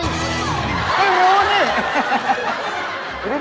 ไม่รู้นี่